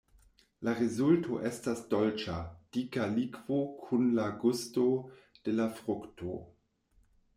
La rezulto estas dolĉa, dika likvo kun la gusto de la frukto.